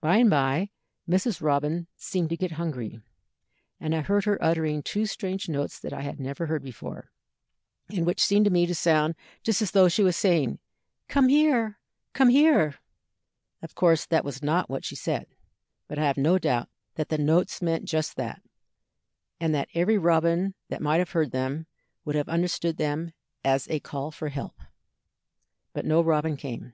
"By and by Mrs. Robin seemed to get hungry, and I heard her uttering two strange notes that I had never heard before, and which seemed to me to sound just as though she was saying, 'Come here! come here!' Of course that was not what she said, but I have no doubt that the notes meant just that, and that every robin that might have heard them would have understood them as a call for help. But no robin came.